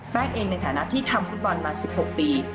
เองในฐานะที่ทำฟุตบอลมา๑๖ปี